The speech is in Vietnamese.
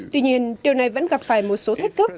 tuy nhiên điều này vẫn gặp phải một số thách thức